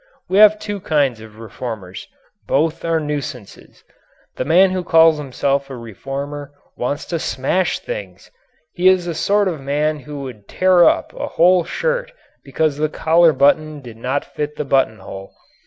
We have two kinds of reformers. Both are nuisances. The man who calls himself a reformer wants to smash things. He is the sort of man who would tear up a whole shirt because the collar button did not fit the buttonhole.